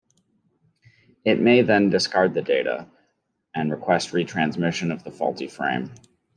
It may then discard the data, and request retransmission of the faulty frame.